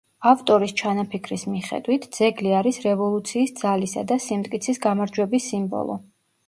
ავტორის ჩანაფიქრის მიხედვით ძეგლი არის რევოლუციის ძალისა და სიმტკიცის გამარჯვების სიმბოლო.